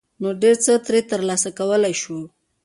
، نو ډېر څه ترې ترلاسه کولى شو.